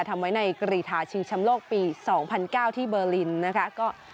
ทำไว้ในกรีธาชิงชำโลกปี๒๐๐๙ที่เบอร์ลินนะคะ